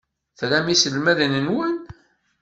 Tram iselmaden-nwen?